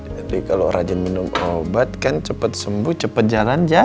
jadi kalau rajin minum obat kan cepet sembuh cepet jalan jah